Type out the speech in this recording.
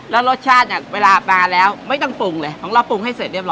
แล้วรสชาติเนี่ยเวลาปลาแล้วไม่ต้องปรุงเลยของเราปรุงให้เสร็จเรียบร